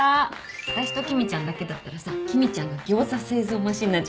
私と君ちゃんだけだったらさ君ちゃんがギョーザ製造マシンになっちゃうからさ。